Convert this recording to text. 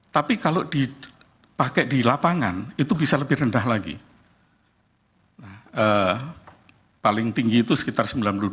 tapi kalau dipakai di lapangan itu bisa lebih rendah lagi paling tinggi itu sekitar sembilan puluh dua